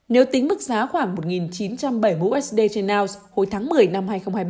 nếu tính mức giá khoảng một chín trăm bảy mươi usd trên ounce hồi tháng một mươi năm hai nghìn hai mươi ba